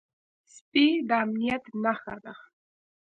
سپي د امنيت نښه ده.